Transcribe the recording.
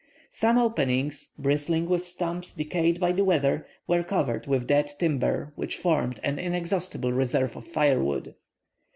Some openings, bristling with stumps decayed by the weather, were covered with dead timber which formed an inexhaustible reserve of firewood.